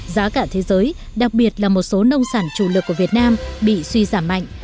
giá cả thế giới đặc biệt là một số nông sản chủ lực của việt nam bị suy giảm mạnh